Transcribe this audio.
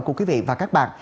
cảm ơn quý vị và các bạn